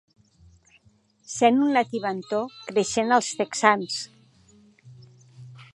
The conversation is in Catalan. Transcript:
Sent una tibantor creixent als texans.